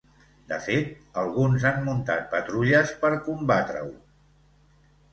De fet, alguns han muntat patrulles per combatre-ho.